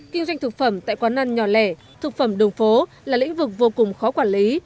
kinh doanh thực phẩm tại quán ăn nhỏ lẻ thực phẩm đường phố là lĩnh vực vô cùng khó quản lý